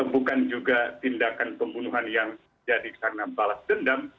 bukan juga tindakan pembunuhan yang jadi karena balas dendam